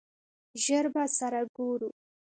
ژر به سره ګورو !